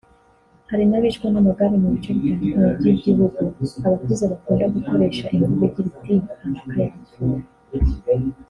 Hari n’abicwa n’amagare mu bice bitandukanye by’igihugu; abakuze bakunda gukoresha imvugo igira iti “Kanaka yapfuye